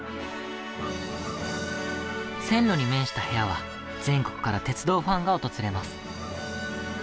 線路に面した部屋は全国から鉄道ファンが訪れます。